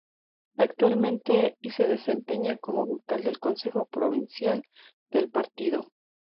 Actualmente y se desempeña como vocal del consejo provincial del Partido.